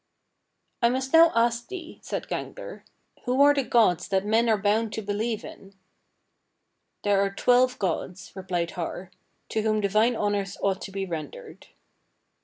21. "I must now ask thee," said Gangler, "who are the gods that men are bound to believe in?" "There are twelve gods," replied Har, "to whom divine honours ought to be rendered."